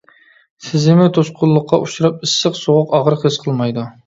سېزىمى توسقۇنلۇققا ئۇچراپ ئىسسىق-سوغۇق، ئاغرىق ھېس قىلمايدۇ.